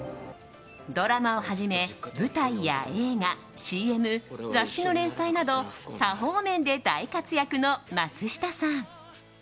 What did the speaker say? ドラマをはじめ、舞台や映画ＣＭ、雑誌の連載など多方面で大活躍の松下さん。